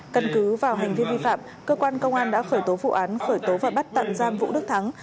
căn cứ vào hành vi vi phạm cơ quan công an đã khởi tố vụ án khởi tố và bắt tạm giam vũ đức thắng